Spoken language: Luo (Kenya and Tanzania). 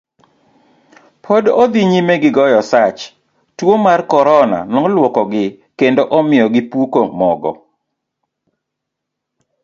Pod odhi nyime gi goye sach, tuo mar korona noluokogi kendo omiyo gipuko mogo.